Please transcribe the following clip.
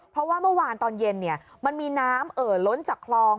เพราะว่าเมื่อวานตอนเย็นมันมีน้ำเอ่อล้นจากคลอง